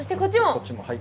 こっちもはい。